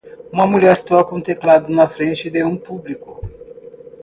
Uma mulher toca um teclado na frente de um público.